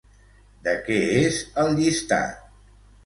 De què és el llistat?